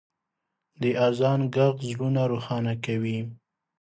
د اذان ږغ زړونه روښانه کوي.